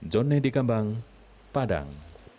jonne dikambang padang